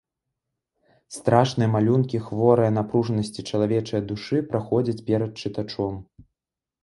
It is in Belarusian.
Страшныя малюнкі хворае напружанасці чалавечае душы праходзяць перад чытачом.